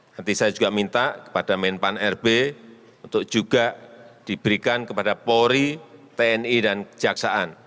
nanti saya juga minta kepada menpan rb untuk juga diberikan kepada polri tni dan kejaksaan